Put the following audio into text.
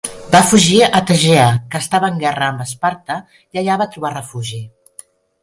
Va fugir a Tegea, que estava en guerra amb Esparta i allà va trobar refugi.